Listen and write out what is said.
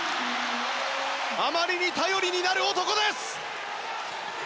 あまりに頼りになる男です。